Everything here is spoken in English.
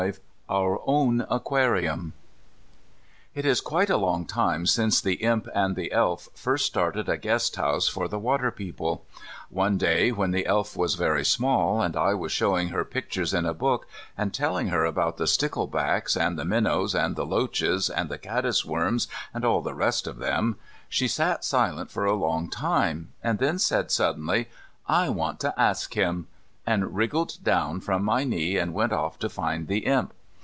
V OUR OWN AQUARIUM It is quite a long time since the Imp and the Elf first started a guest house for the water people. One day, when the Elf was very small, and I was showing her pictures in a book, and telling her about the sticklebacks, and the minnows, and the loaches, and the caddisworms, and all the rest of them, she sat silent for a long time, and then said suddenly, "I want to ask him," and wriggled down from my knee and went off to find the Imp.